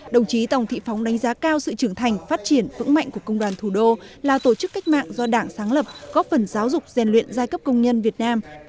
đồng chí tòng thị phóng đánh giá cao sự trưởng thành phát triển vững mạnh của công đoàn thủ đô là tổ chức cách mạng do đảng sáng lập góp phần giáo dục rèn luyện giai cấp công nhân việt nam